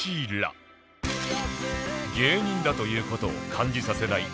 芸人だという事を感じさせない